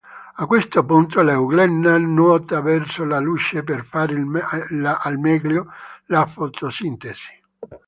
A questo punto l'Euglena nuota verso la luce per fare al meglio la fotosintesi.